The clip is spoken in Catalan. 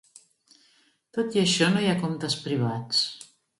Tot i això, no hi ha comptes privats.